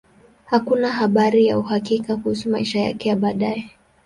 Hakuna habari za uhakika kuhusu maisha yake ya baadaye.